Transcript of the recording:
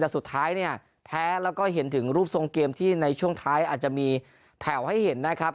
แต่สุดท้ายเนี่ยแพ้แล้วก็เห็นถึงรูปทรงเกมที่ในช่วงท้ายอาจจะมีแผ่วให้เห็นนะครับ